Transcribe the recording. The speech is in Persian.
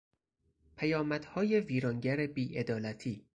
پیامدهای ویرانگر بیعدالتی